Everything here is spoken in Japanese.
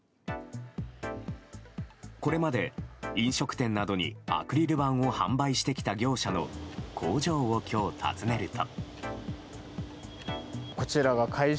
これまで飲食店などにアクリル板を販売してきた業者の工場を今日訪ねると。